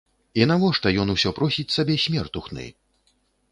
І навошта ён усё просіць сабе смертухны?